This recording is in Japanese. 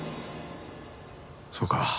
そうか。